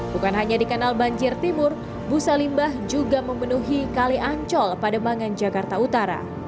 bukan hanya di kanal banjir timur busa limbah juga memenuhi kali ancol pada mangan jakarta utara